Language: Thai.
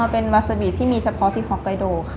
เป็นวาซาบีที่มีเฉพาะที่ฮอกไกโดค่ะ